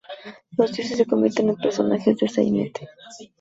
Los dioses se convierten en personajes de sainete.